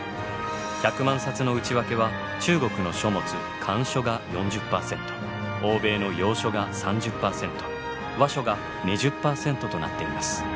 １００万冊の内訳は中国の書物漢書が４０％欧米の洋書が３０％和書が２０％となっています。